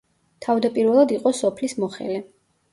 თავდაპირველად იყო სოფლის მოხელე.